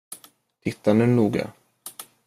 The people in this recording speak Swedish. Titta nu noga.